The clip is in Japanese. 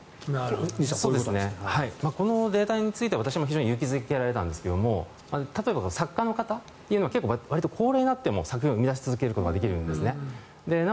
西このデータについては私も勇気付けられたんですが作家の方というのはわりと高齢になっても作品を生み出し続けることができるんですね。